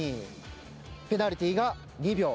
ペナルティーが２秒。